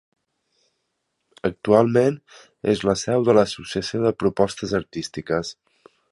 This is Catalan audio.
Actualment és la seu de l'Associació de Propostes Artístiques.